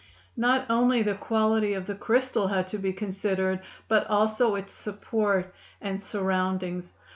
Not only the quality of the crystal had to be considered, but also its support and surroundings.